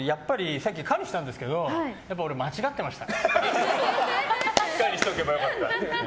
さっき可にしたんですけどやっぱり俺、間違ってました。